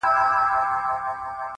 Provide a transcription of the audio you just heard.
چي پکي روح نُور سي ـ چي پکي وژاړي ډېر ـ